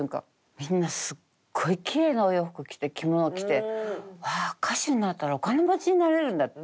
みんなすごいきれいなお洋服着て着物着てわあ歌手になったらお金持ちになれるんだって。